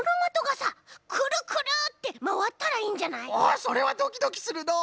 おおそれはドキドキするのう！